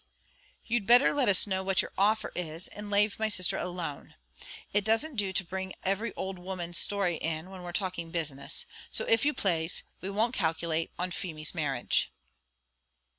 "You'd better let us know what your offer is, and lave my sisther alone. It doesn't do to bring every old woman's story in, when we're talking business; so, if you plaze, we won't calculate on Feemy's marriage."